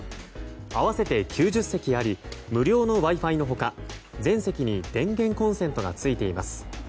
合わせて９０席あり無料のＷｉ‐Ｆｉの他前席に電源コンセントがついています。